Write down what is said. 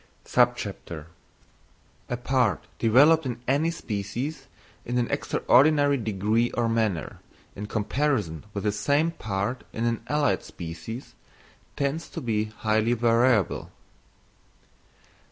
_A Part developed in any Species in an extraordinary degree or manner, in comparison with the same part in allied Species, tends to be highly variable.